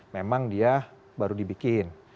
memang dia baru dibikin